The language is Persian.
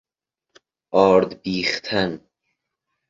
آرد بیختن